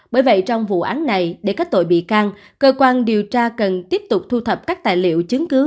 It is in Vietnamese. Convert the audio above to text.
bởi vậy trong vụ án này để các tội bị can cơ quan điều tra cần tiếp tục thu thập các tài liệu chứng cứ